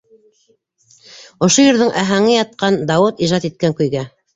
Ошо йырҙың аһәңе ятҡан Дауыт ижад иткән көйгә.